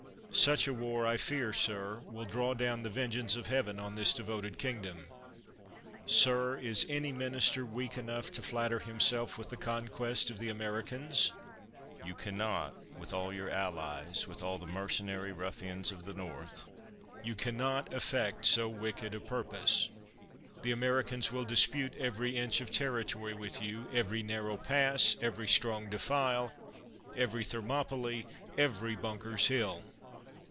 Such a war, I tear, sir, will draw down the vengeance of Heaven on this devoted kingdom. Sir, is any minister weak enough to flatter himself with the conquest of the Americans? You can not, with all your allies — with all the mercenary ruffians of the Xorth — you can not effect so wicked a purpose. The Americans will dispute every inch of terri tory with you, every narrow pass, every strong defile, every Thermopylae, every Bunker's Hill!